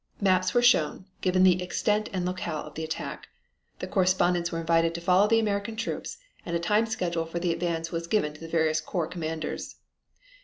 Maps were shown, giving the extent and locale of the attack. The correspondents were invited to follow the American troops and a time schedule for the advance was given to the various corps commanders.